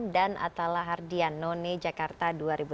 dan atallahardian noni jakarta dua ribu delapan belas